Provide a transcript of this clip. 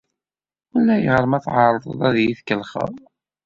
Ulayɣer ma tɛerḍeḍ ad iyi-tkellxeḍ.